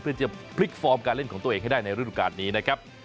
เพื่อจะพลิกฟอร์มการเล่นของตัวเองให้ได้ในฤดูการนี้นะครับ